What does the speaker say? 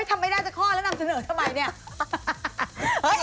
ทำไม่น่าจะคลอดแล้วนำเสนอทำไมเนี่ย